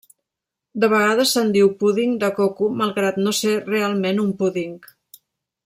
De vegades se'n diu púding de coco malgrat no ser realment un púding.